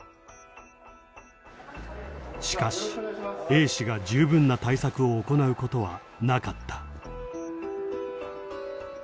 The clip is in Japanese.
しかしＡ氏が十分な対策を行うことはなかった。